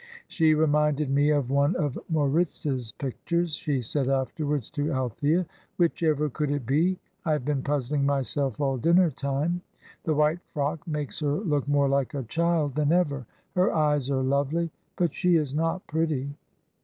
"She reminded me of one of Moritz's pictures," she said, afterwards to Althea. "Whichever could it be? I have been puzzling myself all dinner time. The white frock makes her look more like a child than ever; her eyes are lovely, but she is not pretty."